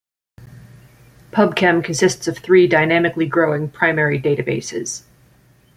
PubChem consists of three dynamically growing primary databases.